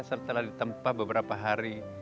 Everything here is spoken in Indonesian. setelah ditempah beberapa hari